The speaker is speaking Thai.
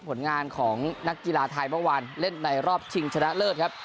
ผลงานของนักกีฬาไทยเมื่อวานเล่นในรอบชิงชนะเลิศครับ